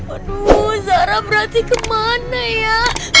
aduh zara berarti kemana ya